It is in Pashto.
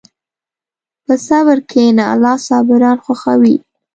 په صبر کښېنه، الله صابران خوښوي.